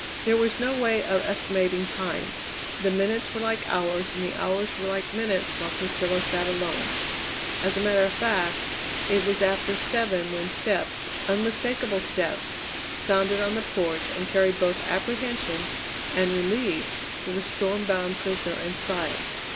There was no way of estimating time. The minutes were like hours and the hours were like minutes while Priscilla sat alone. As a matter of fact, it was after seven when steps, unmistakable steps, sounded on the porch and carried both apprehension and relief to the storm bound prisoner inside.